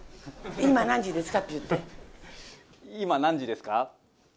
今、何時ですか？